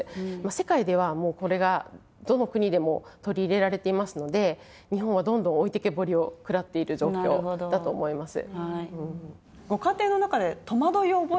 世界ではもうこれが、どの国でも取り入れられていますので、日本はどんどん置いてけぼりを食らっている状況だと思います。